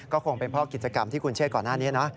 ก็คงเป็นเพราะกิจกรรมที่คุณเชื่อก่อนหน้านี้นะ